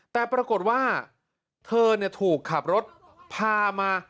แต่ปรากฏว่าเธอถูกขับรถพามา